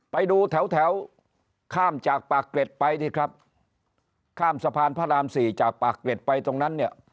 ไปดูแถวแถวข้ามจากปากเกร็ดไปสิครับข้ามสะพานพระรามสี่จากปากเกร็ดไปตรงนั้นเนี่ย